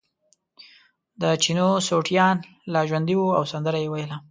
د چینو سوټیان لا ژوندي وو او سندره یې ویله.